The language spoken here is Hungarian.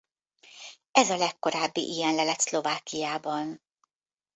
Ez a legkorábbi ilyen lelet Szlovákiában.